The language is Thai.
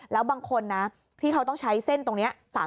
แล้วบางคนนะที่เขาต้องใช้เส้นตรงนี้